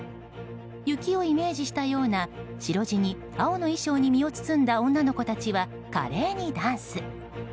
雪をイメージしたような白地に青の衣装に身を包んだ女の子たちは華麗にダンス。